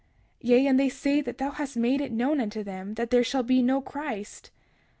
31:29 Yea, and they say that thou hast made it known unto them that there shall be no Christ.